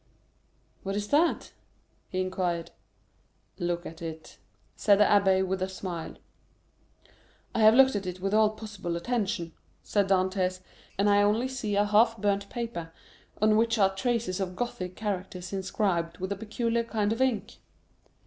"What is that?" he inquired. "Look at it," said the abbé with a smile. "I have looked at it with all possible attention," said Dantès, "and I only see a half burnt paper, on which are traces of Gothic characters inscribed with a peculiar kind of ink."